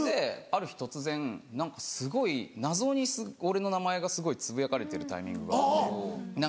ある日突然何かすごい謎に俺の名前がすごいつぶやかれてるタイミングがあって。